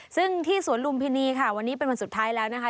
ซึ่งที่สวนลุมพินีค่ะวันนี้เป็นวันสุดท้ายแล้วนะคะ